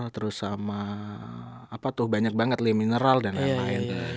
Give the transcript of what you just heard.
terus sama apa tuh banyak banget lee mineral dan lain lain